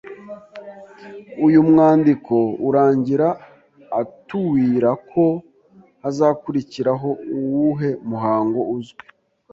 Uyu mwandiko urangira atuwira ko hazakurikiraho uwuhe muhango uzwi